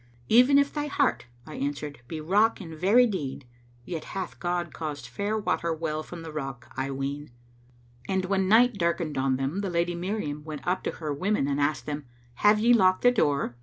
'Even if thy heart,' I answered, 'be rock in very deed, Yet hath God caused fair water well from the rock, I ween.'" And when night darkened on them the Lady Miriam went up to her women and asked them, "Have ye locked the door?"